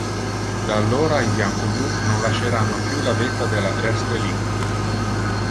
Da allora, i bianco-blu non lasceranno più la vetta della Erste Liga.